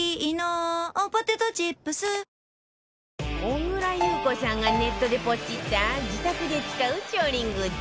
小倉優子さんがネットでポチった自宅で使う調理グッズ